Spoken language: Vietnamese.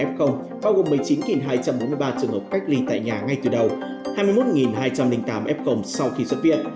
f một mươi chín hai trăm bốn mươi ba trường hợp cách ly tại nhà ngay từ đầu hai mươi một hai trăm linh tám f sau khi xuất viện